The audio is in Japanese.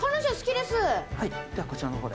ではこちらの方で。